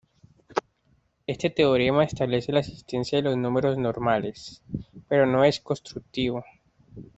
Este teorema establece la existencia de los números normales, pero no es constructivo.